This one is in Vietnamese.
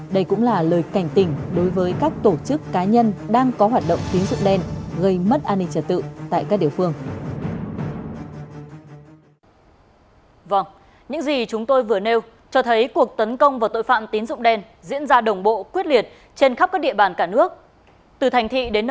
đây cũng là lời cảnh tình đối với các tổ chức cá nhân đang có hoạt động tín dụng đen